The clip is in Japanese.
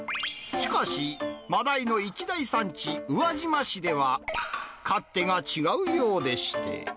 しかし、マダイの一大産地、宇和島市では、勝手が違うようでして。